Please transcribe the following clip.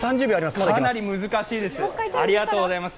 かなり難しいですよ。